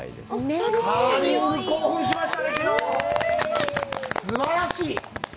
すばらしい！